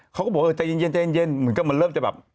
เขาก็บอกเออใจเย็นเหมือนกับมันเริ่มจะแบบ